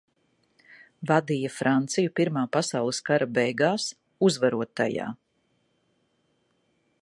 Vadīja Franciju Pirmā pasaules kara beigās, uzvarot tajā.